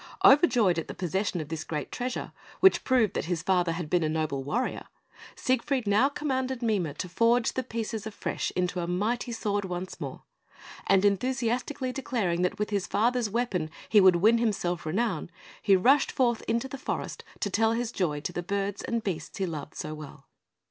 Overjoyed at the possession of this great treasure, which proved that his father had been a noble warrior, Siegfried now commanded Mime to forge the pieces afresh into a mighty sword once more, and enthusiastically declaring that with his father's weapon he would win himself renown, he rushed forth into the forest to tell his joy to the birds and beasts he loved so well.